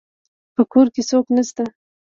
په کور کې څوک نشته